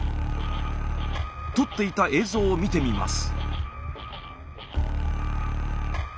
撮っていた映像を見てみます。